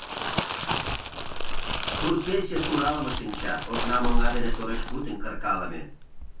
Сурт-пече суралыме шинча, окнам оҥа дене тореш-кутынь кыркалыме.